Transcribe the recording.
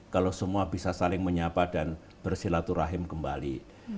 kalau semua bisa saling menyapa dan bersilaturahim kembali